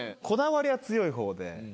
こだわりは強いほうで。